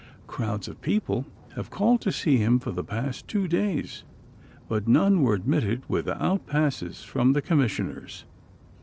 Crowds of people have called to see him for the past two days, but none were admitted without passes from the Commissioners."